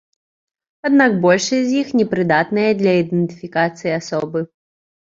Аднак большасць з іх непрыдатныя для ідэнтыфікацыі асобы.